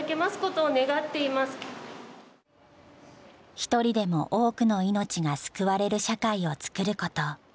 一人でも多くの命が救われる社会をつくること。